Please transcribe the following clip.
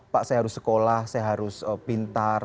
pak saya harus sekolah saya harus pintar